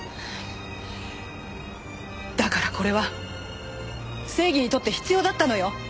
だからこれは正義にとって必要だったのよ。